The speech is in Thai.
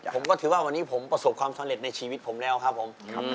ผมก็ถือว่าวันนี้ผมประสบความสำเร็จในชีวิตผมแล้วครับผม